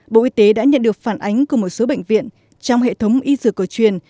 bộ y tế đã nhận được phản ánh của một số bệnh viện trong hệ thống y dược cổ truyền